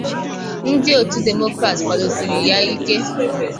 Ndị otu Demokrat kwadosiri ya ike